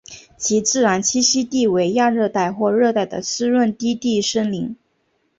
其自然栖息地为亚热带或热带的湿润低地森林。